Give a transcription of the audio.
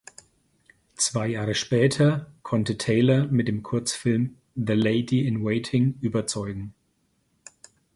Zwei Jahre später konnte Taylor mit dem Kurzfilm "The Lady in Waiting" überzeugen.